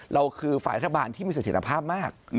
เราคือฝ่ายรัฐบาลที่มีสถิตภาพมาก